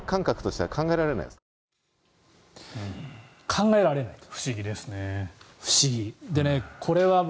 考えられないと。